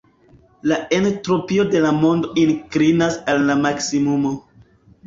La entropio de la mondo inklinas al la maksimumo.